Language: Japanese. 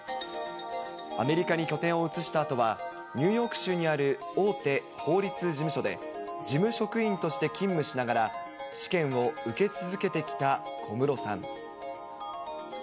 アメリカに拠点を移したあとは、ニューヨーク州にある大手法律事務所で、事務職員として勤務しながら、試験を受け続けてきた小室さん。